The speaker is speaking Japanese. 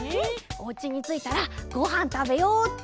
おうちについたらごはんたべようっと！